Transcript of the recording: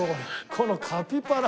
このカピバラ。